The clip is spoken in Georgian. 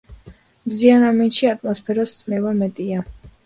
მზიან ამინდში ატმოსფეროს წნევა მეტია